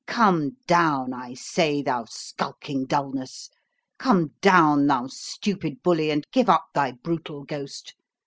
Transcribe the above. Come down, I say, thou skulking dulness! Come down, thou stupid bully, and give up thy brutal ghost!